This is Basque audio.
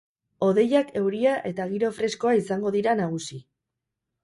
Hodeiak, euria eta giro freskoa izango dira nagusi.